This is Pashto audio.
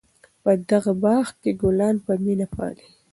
په دې باغ کې ګلان په مینه پالي.